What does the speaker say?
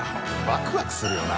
ワクワクするよな。